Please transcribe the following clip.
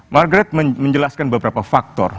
margrad menjelaskan beberapa faktor